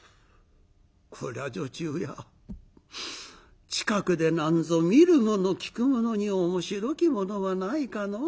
蔵女中や近くでなんぞ見るもの聴くものに面白きものはないかのう？」。